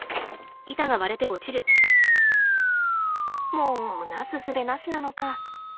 もうなすすべなしなのか。